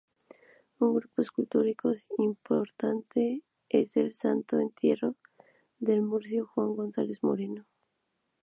Un grupo escultórico importante es el "Santo Entierro", del murciano Juan González Moreno.